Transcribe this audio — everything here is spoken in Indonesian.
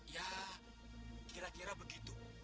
ya kira kira begitu